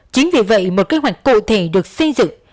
chính vì vậy một kế hoạch cụ thể được xây dựng